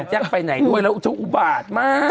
แจ๊กไปไหนด้วยแล้วจะอุบาตมาก